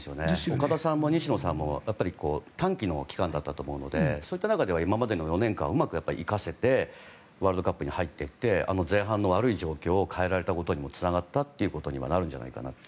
岡田さんも西野さんも短期の期間だったと思うのでそういった中では今までの４年間をうまく生かせてワールドカップに入っていって前半の悪い状況を変えられたことにもつながったということになるんじゃないかと。